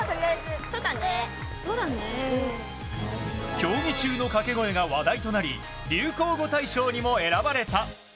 競技中の掛け声が話題となり流行語大賞にも選ばれた。